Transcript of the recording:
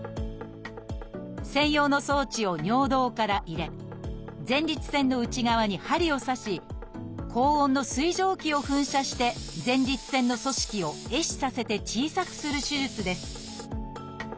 専用の装置を尿道から入れ前立腺の内側に針を刺し高温の水蒸気を噴射して前立腺の組織を壊死させて小さくする手術です。